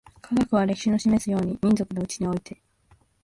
科学は、歴史の示すように、民族のうちにおいて